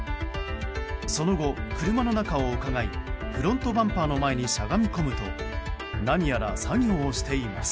その後、車の中をうかがいフロントバンパーの前にしゃがみ込むと何やら作業をしています。